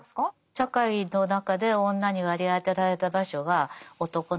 社会の中で女に割り当てられた場所は男の隣。